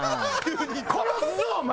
殺すぞお前！